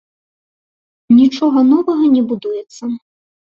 Нічога новага не будуецца.